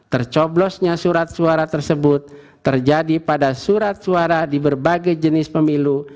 tercoblosnya surat suara tersebut terjadi pada surat suara di berbagai jenis pemilu